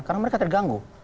karena mereka terganggu